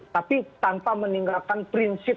tapi tanpa meninggalkan prinsip